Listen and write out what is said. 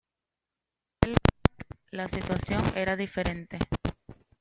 En Belfast la situación era diferente.